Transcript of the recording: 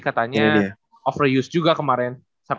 katanya overuse juga kemarin